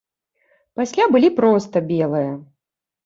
Пасля былі проста белыя.